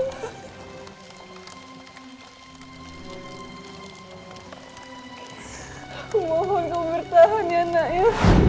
aku mohon kau bertahan ya nakin